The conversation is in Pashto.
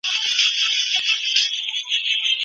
د شوالیو او جګړو ترمنځ اړیکه تل موجوده ده.